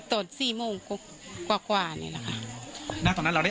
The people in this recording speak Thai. ปกติพี่สาวเราเนี่ยครับเป็นคนเชี่ยวชาญในเส้นทางป่าทางนี้อยู่แล้วหรือเปล่าครับ